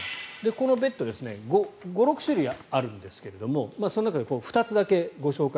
このベッド５６種類あるんですがその中で２つだけご紹介